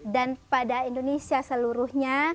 dan pada indonesia seluruhnya